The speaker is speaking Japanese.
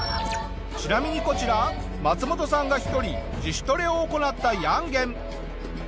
ちなみにこちらマツモトさんが一人自主トレを行ったヤンゲン。